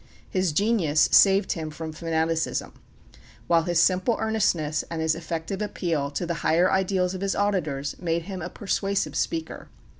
His genius saved him from fanaticism; while his simple earnestness and his effective appeal to the higher ideals of his auditors made him a persuasive speaker.